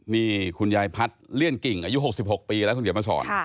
นี่คุณยายพัฒน์เลี่ยนกิ่งอายุ๖๖ปีแล้วคุณเขียนมาสอน